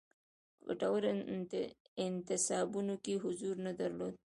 ګټورو انتصابونو کې حضور نه درلود.